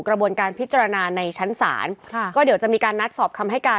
กระบวนการพิจารณาในชั้นศาลค่ะก็เดี๋ยวจะมีการนัดสอบคำให้การ